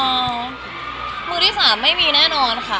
อ่าเมื่อที่๓ไม่มีแน่นอนค่ะ